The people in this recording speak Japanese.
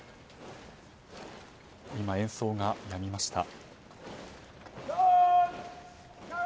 今、演奏がやみました。